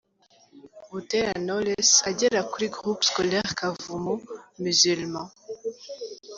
Butera Knowless agera kuri Groupe Scolaire Kavumu Musulman.